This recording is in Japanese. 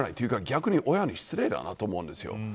逆に親に失礼だなと思います。